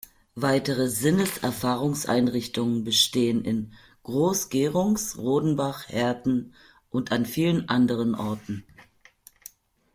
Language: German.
Weitere Sinneserfahrungs-Einrichtungen bestehen in Groß Gerungs, Rodenbach, Herten und an vielen anderen Orten.